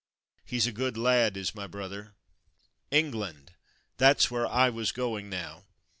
" He's a good lad, is my brother. England! that's where I was going now.